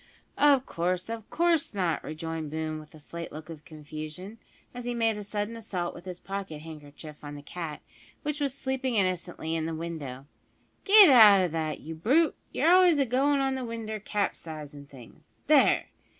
"Of course of course not," rejoined Boone with a slight look of confusion, as he made a sudden assault with his pocket handkerchief on the cat, which was sleeping innocently in the window; "git out o' that, you brute; you're always agoin' in the winder, capsizin' things. There!